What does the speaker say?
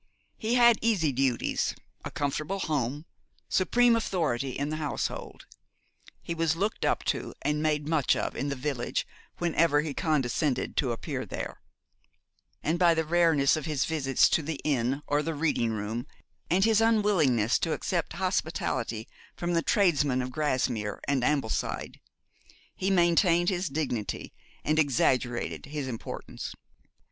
He had easy duties, a comfortable home, supreme authority in the household. He was looked up to and made much of in the village whenever he condescended to appear there; and by the rareness of his visits to the Inn or the Reading room, and his unwillingness to accept hospitality from the tradesmen of Grasmere and Ambleside, he maintained his dignity and exaggerated his importance.